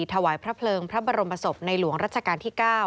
ถวายพระเพลิงพระบรมศพในหลวงรัชกาลที่๙